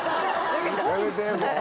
やめてもう。